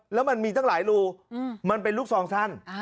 แล้วมันมีตั้งหลายรูมันเป็นลูกซองสั้น